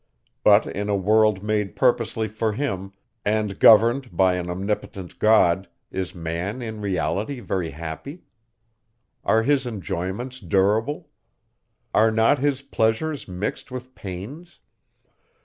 But, in a world made purposely for him, and governed by an omnipotent God, is man in reality very happy? Are his enjoyments durable? Are not his pleasures mixed with pains?